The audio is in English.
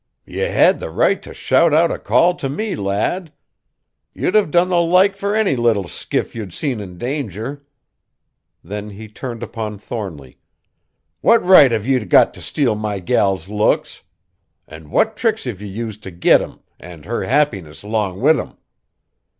"Ye had the right t' shout out a call t' me, lad. You'd have done the like fur any little skiff you'd seen in danger." Then he turned upon Thornly. "What right hev ye got t' steal my gal's looks? An' what tricks hev ye used t' git 'em, an' her happiness 'long with 'em?"